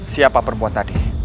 siapa perempuan tadi